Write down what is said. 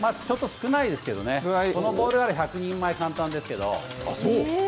ちょっと少ないですけどね、このボウルなら１００人前簡単ですけど。